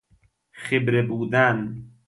خبره بودن